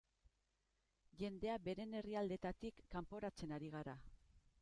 Jendea beren herrialdeetatik kanporatzen ari gara.